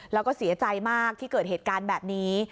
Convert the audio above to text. แล้วก็เสียใจมากที่เกิดเหตุการณ์แบบนี้